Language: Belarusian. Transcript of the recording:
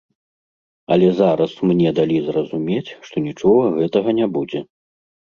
Але зараз мне далі зразумець, што нічога гэтага не будзе.